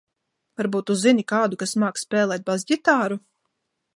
Varbūt tu zini kādu, kas māk spēlēt basģtāru?